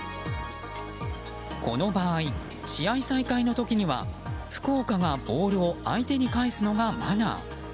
この場合、試合再開の時には福岡がボールを相手に返すのがマナー。